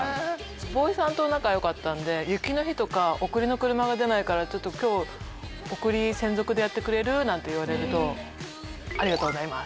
ボーイさんと仲良かったので雪の日とか送りの車が出ないから「ちょっと今日送り専属でやってくれる？」なんて言われると「ありがとうございます」。